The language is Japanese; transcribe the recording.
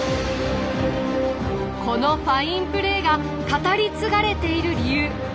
このファインプレーが語り継がれている理由。